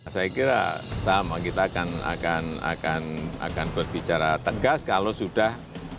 saya kira sama kita akan akan akan akan berbicara tegas kalau sudah